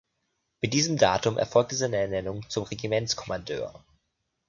Mit diesem Datum erfolgte seine Ernennung zum Regimentskommandeur.